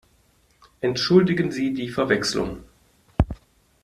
Entschuldigen Sie die Verwechslung!